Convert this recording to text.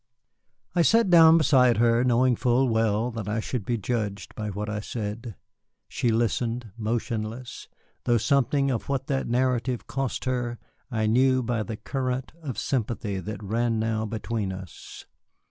I sat down beside her, knowing full well that I should be judged by what I said. She listened, motionless, though something of what that narrative cost her I knew by the current of sympathy that ran now between us.